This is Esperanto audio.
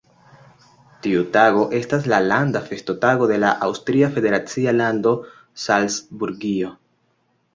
Tiu tago estas la landa festotago de la aŭstria federacia lando Salcburgio.